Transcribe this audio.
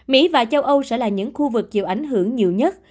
mỹ và châu âu sẽ là những khu vực chịu ảnh hưởng nhiều nhất